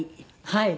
はい。